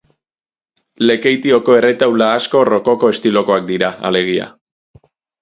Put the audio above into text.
Lekeitioko erretaula asko rokoko estilokoak dira, alegia.